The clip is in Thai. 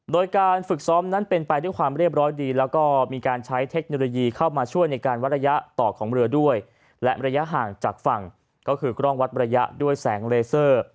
โดยการฝึกซ้อมนั้นเป็นไปด้วยความเรียบร้อยดีแล้วก็มีการใช้เทคโนโลยีเข้ามาช่วยในการวัดระยะต่อของเรือด้วยและระยะห่างจากฝั่งก็คือกล้องวัดระยะด้วยแสงเลเซอร์